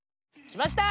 来ました！